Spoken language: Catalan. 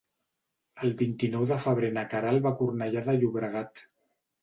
El vint-i-nou de febrer na Queralt va a Cornellà de Llobregat.